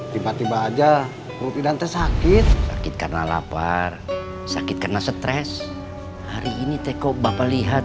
tiba tiba aja lupi lantai sakit sakit karena lapar sakit karena stres hari ini teh kok bapak lihat